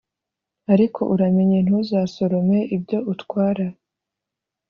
ariko uramenye ntuzasorome ibyo utwara.